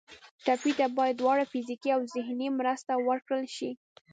ټپي ته باید دواړه فزیکي او ذهني مرسته ورکړل شي.